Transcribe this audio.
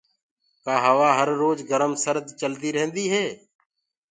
ڪآ هوآ هر روج گرم سرد چلدي ريهنٚدي هي